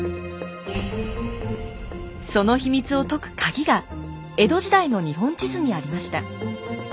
その秘密を解くカギが江戸時代の日本地図にありました。